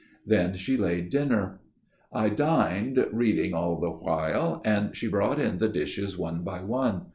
" Then she laid dinner. I dined, reading all the while ; and she brought in the dishes one by one.